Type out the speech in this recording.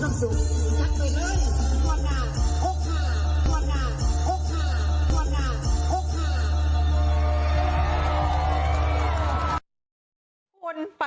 สวัสดีคุณค่ะ